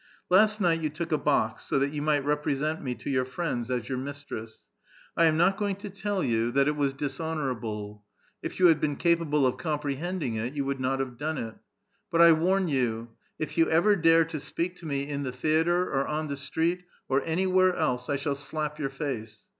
Last night you took a box so that you might represent me to your friends as your mistress. .1 am not going to tell you that A VITAL QUESTION. 29 it was dishonorable ; if you had been capable of comprehending it, 3'ou would not have done it. But 1 warn you, if you ever dare to speak to me in the theatre, or on the street, or any where else, 1 shall slap your face.